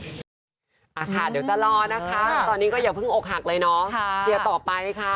ค่ะเดี๋ยวจะรอนะคะตอนนี้ก็อย่าเพิ่งอกหักเลยเนาะเชียร์ต่อไปค่ะ